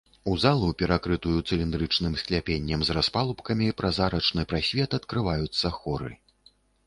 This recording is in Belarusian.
У залу, перакрытую цыліндрычным скляпеннем з распалубкамі, праз арачны прасвет адкрываюцца хоры.